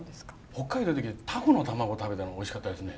北海道行った時タコの卵食べたのおいしかったですね。